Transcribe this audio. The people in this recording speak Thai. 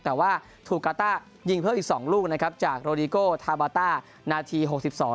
แต่ว่าถูกกาต้ายิงเพิ่มอีกสองลูกนะครับจากโรดิโกทาบาต้านาทีหกสิบสอง